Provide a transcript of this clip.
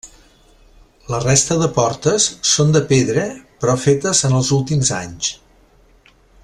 La resta de portes són de pedra però fetes en els últims anys.